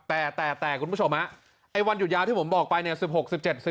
แต่แต่คุณผู้ชมฮะไอ้วันหยุดยาวที่ผมบอกไปเนี่ย